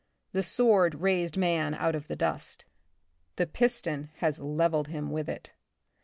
The sword raised man out of the dust. The piston has levelled him with it.